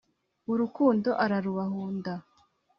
urukundo ararubahunda